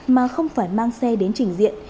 mà không phải mang xe đến trình diện